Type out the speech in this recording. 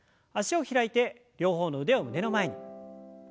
脚を開いて両方の腕を胸の前に。